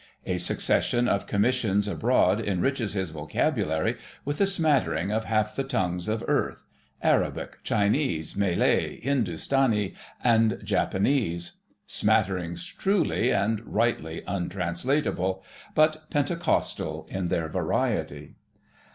A succession of commissions abroad enriches his vocabulary with a smattering of half the tongues of Earth—Arabic, Chinese, Malay, Hindustanee, and Japanese: smatterings truly, and rightly untranslatable, but Pentecostal in their variety.